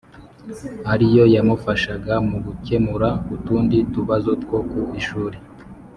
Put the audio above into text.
ariyo yamufashaga mu gukemura utundi tubazo two ku ishuri.